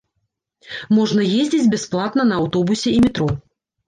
Можна ездзіць бясплатна на аўтобусе і метро.